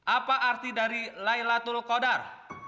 apa arti dari laylatul qadar